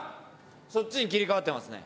そっちに切り替わってますね。